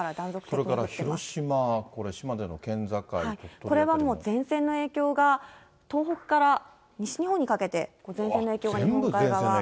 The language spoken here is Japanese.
それから広島、これ、島根の県境、これはもう前線の影響が、東北から西日本にかけて前線の影響が日本海側。